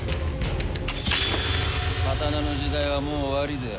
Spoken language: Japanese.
刀の時代はもう終わりぜよ。